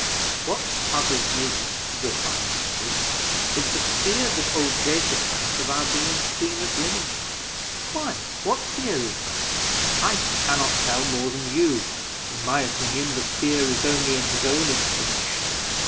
"What puzzles me," replied Humphrey, "is, the fear that old Jacob has of our being seen at Lymington." "Why, what fear is there?" "I can not tell more than you; in my opinion, the fear is only in his own imagination.